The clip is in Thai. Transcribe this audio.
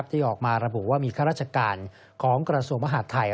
ที่ออกมาระบุว่ามีข้าราชการของกระทรวงมหาดไทย